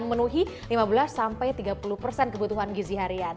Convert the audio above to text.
menuhi lima belas tiga puluh kebutuhan gizi harian